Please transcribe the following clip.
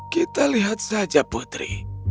kita lihat saja putri